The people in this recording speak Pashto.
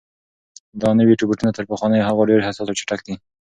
دا نوي روبوټونه تر پخوانیو هغو ډېر حساس او چټک دي.